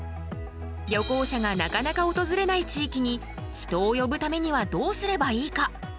旅行者がなかなか訪れない地域に人を呼ぶためにはどうすればいいか？